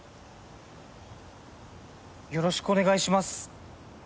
よろしくお願いします。